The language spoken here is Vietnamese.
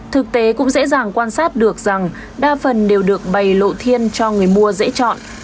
thực tế cũng dễ dàng quan sát được rằng đa phần đều được bày lộ thiên cho người mua dễ chọn